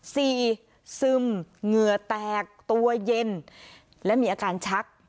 ซึมเหงื่อแตกตัวเย็นและมีอาการชัก